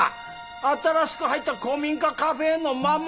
新しく入った古民家カフェのママさんだ。